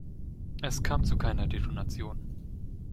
Es kam zu keiner Detonation.